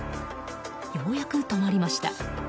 ようやく止まりました。